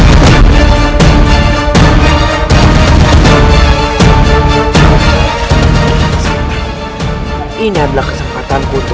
aku setuju dengan rencana gusti prapu